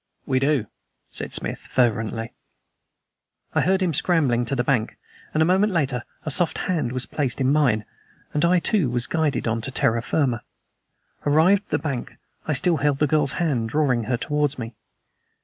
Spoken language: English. "We do!" said Smith fervently. I heard him scrambling to the bank, and a moment later a soft hand was placed in mine, and I, too, was guided on to terra firma. Arrived on the bank, I still held the girl's hand, drawing her towards me.